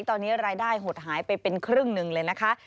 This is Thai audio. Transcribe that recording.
ตอนนี้รายได้หดหายไปเป็นครึ่งหนึ่งเลยนะคะ